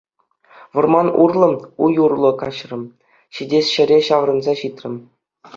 Вӑрман урлӑ, уй урлӑ каҫрӑм, ҫитес ҫӗре ҫаврӑнса ҫитрӗм.